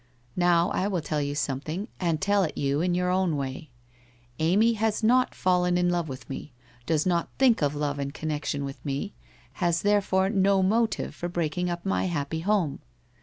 Now I will tell you something and tell it you in your own way. Amy has not fallen in love with me, does not think of love in con nection with me, has therefore no motive for breaking up my happy home.